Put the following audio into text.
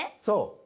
そう。